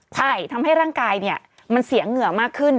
ใช่ทำให้ร่างกายเนี่ยมันเสียเหงื่อมากขึ้น